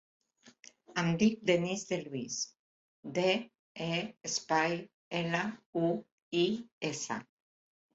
Em dic Denís De Luis: de, e, espai, ela, u, i, essa.